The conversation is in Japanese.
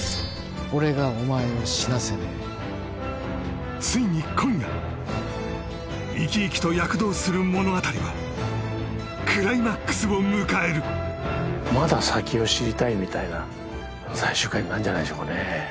俺がお前を死なせねえついに今夜生き生きと躍動する物語はクライマックスを迎えるまだ先を知りたいみたいな最終回になんじゃないでしょうかね